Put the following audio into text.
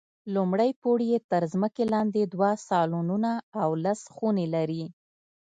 لومړی پوړ یې تر ځمکې لاندې دوه سالونونه او لس خونې لري.